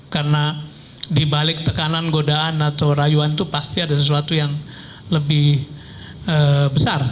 karena dibalik tekanan godaan atau rayuan itu pasti ada sesuatu yang lebih besar